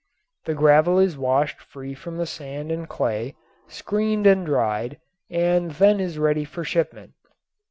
The gravel is washed free from the sand and clay, screened and dried, and then is ready for shipment.